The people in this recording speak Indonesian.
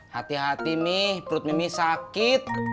hati hati mi perut mimih sakit